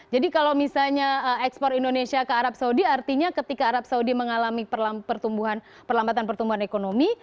jadi kalau misalnya ekspor indonesia ke arab saudi artinya ketika arab saudi mengalami perlambatan pertumbuhan ekonomi